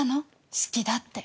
好きだって。